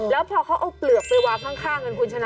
แล้วพอเขาเอาเปลือกไปวางข้างกันคุณชนะ